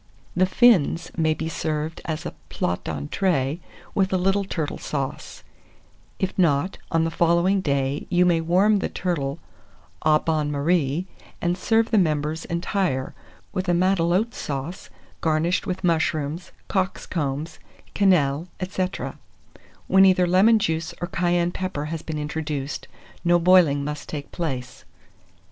THE FINS may be served as a plat d'entrée with a little turtle sauce; if not, on the following day you may warm the turtle au bain marie, and serve the members entire, with a matelote sauce, garnished with mushrooms, cocks' combs, quenelles, &c. When either lemon juice or cayenne pepper has been introduced, no boiling must take place.